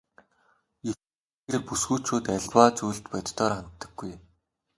Эрчүүдийнхээр бүсгүйчүүд аливаа зүйлд бодитоор ханддаггүй.